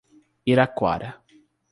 Iraquara